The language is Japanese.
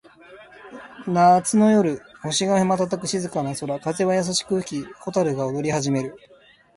夏の夜、星が瞬く静かな空。風は優しく吹き、蛍が踊り始める。小さな町の中心にあるカフェでは、人々が笑顔で会話を楽しんでいる。